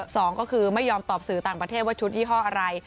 สองก็คือไม่ยอมตอบสื่อต่างประเทศว่าชุดยี่ห้ออะไร